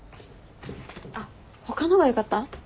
あっ他のがよかった？